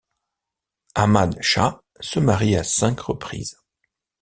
Ahmad Chah se marie à cinq reprises.